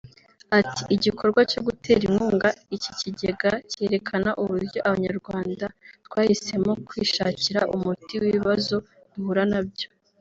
ati “Igikorwa cyo gutera inkunga iki Kigega cyerekana uburyo Abanyarwanda twahisemo kwishakira umuti w’ibibazo duhura na byo